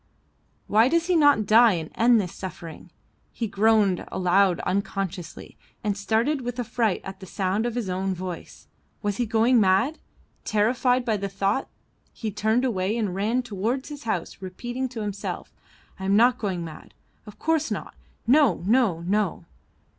Why does he not die and end this suffering? He groaned aloud unconsciously and started with affright at the sound of his own voice. Was he going mad? Terrified by the thought he turned away and ran towards his house repeating to himself, I am not going mad; of course not, no, no, no!